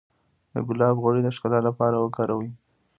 د ګلاب غوړي د ښکلا لپاره وکاروئ